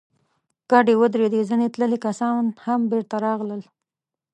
کډې ودرېدې، ځينې تللي کسان هم بېرته راغلل.